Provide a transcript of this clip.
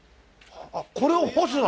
これを干すの？